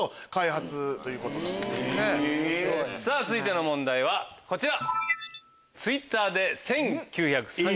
さぁ続いての問題はこちら。